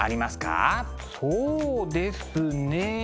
そうですね。